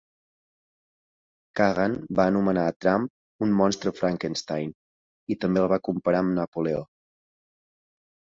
Kagan va anomenar a Trump un "monstre Frankenstein" i també el va comparar amb Napoleó.